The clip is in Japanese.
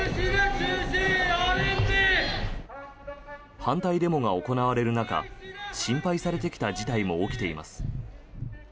反対デモが行われる中心配されてきた事態も起きています。